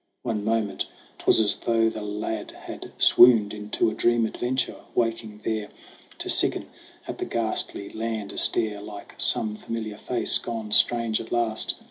One moment 'twas as though the lad had swooned Into a dream adventure, waking there To sicken at the ghastly land, a stare Like some familiar face gone strange at last.